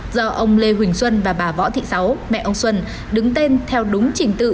do ông lê huỳnh xuân và bà võ thị sáu mẹ ông xuân đứng tên theo đúng trình tự